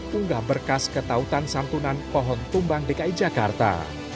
unggah berkas ketautan santunan pohon tumbang dki jakarta